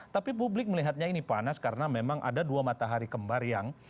tapi publik melihatnya ini panas karena memang ada dua matahari kembar yang